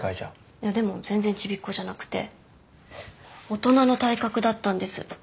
いやでも全然ちびっこじゃなくて大人の体格だったんです。